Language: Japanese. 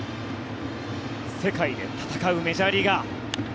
世界で戦うメジャーリーガー。